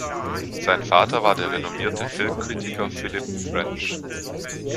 Sein Vater war der renommierte Filmkritiker Philip French.